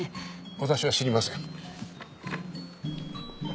私は知りません。